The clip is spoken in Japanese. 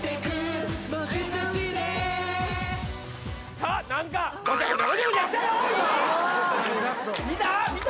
さあ何か見た？